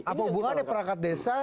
apa hubungannya perangkat desa